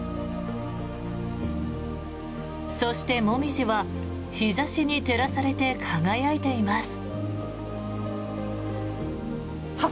そして、モミジは日差しに照らされて輝いています。